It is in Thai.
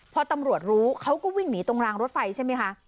พอตำรวจรู้เขาก็วิ่งหนีตรงรางรถไฟใช่ไหมคะ